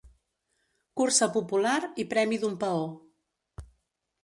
Cursa popular i premi d'un paó.